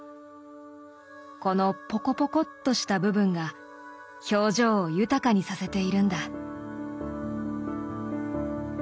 このポコポコっとした部分が表情を豊かにさせているんだ。